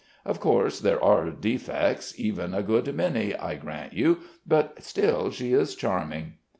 Of course, there are defects, even a good many, I grant you, but still she is charming.'